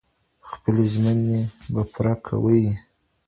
خپلي ژمني به پوره کوئ.